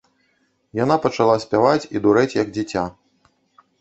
Яна пачала спяваць і дурэць, як дзіця.